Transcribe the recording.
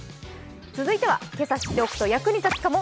続いては今朝知っておくと役に立つかも。